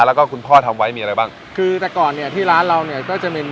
แล้วก็คุณพ่อทำไว้มีอะไรบ้างคือแต่ก่อนเนี้ยที่ร้านเราเนี่ยก็จะมี